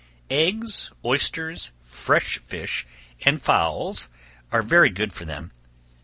Eggs, oysters, fresh fish and fowls, are very good for them.